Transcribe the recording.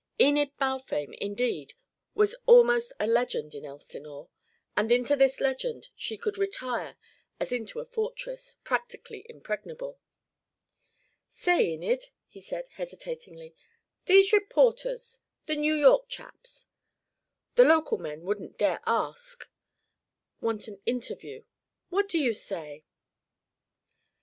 Enid Balfame, indeed, was almost a legend in Elsinore, and into this legend she could retire as into a fortress, practically impregnable. "Say, Enid," he said hesitatingly. "These reporters the New York chaps the local men wouldn't dare ask want an interview. What do you say?"